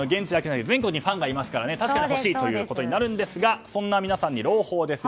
全国にファンがいますから確かに欲しいということになるんですがそんな皆さんに朗報です。